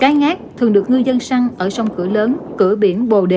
cá ngát thường được ngư dân săn ở sông cửa lớn cửa biển bồ đề